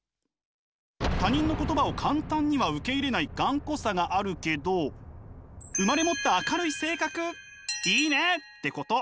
他人の言葉を簡単には受け入れない頑固さがあるけど生まれ持った明るい性格いいね！ってこと。